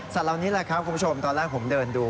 เหล่านี้แหละครับคุณผู้ชมตอนแรกผมเดินดู